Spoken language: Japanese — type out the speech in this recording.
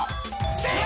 正解！